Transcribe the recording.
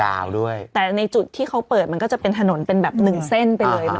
ด้วยแต่ในจุดที่เขาเปิดมันก็จะเป็นถนนเป็นแบบหนึ่งเส้นไปเลย